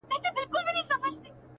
عاشق معسوق ډېوه لمبه زاهد ايمان ساتي.